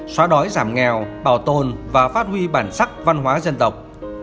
xóa đói giảm nghèo bảo tồn và phát huy bản sắc văn hóa dân tộc